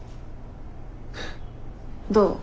どう？